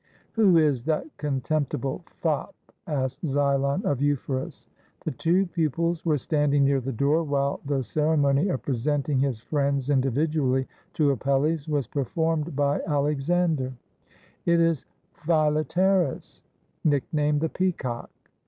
"Who is that contemptible fop?" asked Xylon of Euphorus. The two pupils were standing near the door, while the ceremony of presenting his friends individually to Apelles was performed by Alexander. "It is Philetaerus, nicknamed 'The Peacock.'